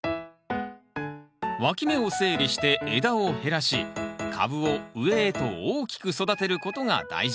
わき芽を整理して枝を減らし株を上へと大きく育てることが大事。